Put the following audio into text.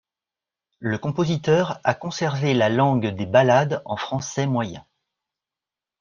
Le compositeur a conservé la langue des ballades en français moyen.